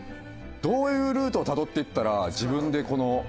どういうルートをたどっていったら自分でこの。